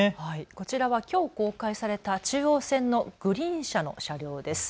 こちらはきょう公開された中央線のグリーン車の車両です。